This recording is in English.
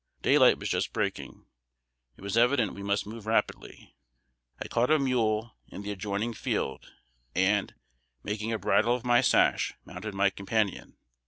Daylight was just breaking: it was evident we must move rapidly. I caught a mule in the adjoining field, and, making a bridle of my sash, mounted my companion.